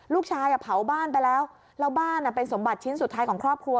เผาบ้านไปแล้วแล้วบ้านเป็นสมบัติชิ้นสุดท้ายของครอบครัว